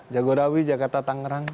jagorawi jakarta tangerang